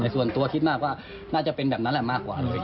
ส่วนตัวคิดมากว่าน่าจะเป็นแบบนั้นแหละมากกว่าเลย